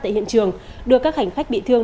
tại hiện trường đưa các hành khách bị thương